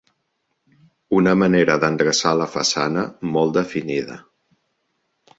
Una manera d'endreçar la façana molt definida.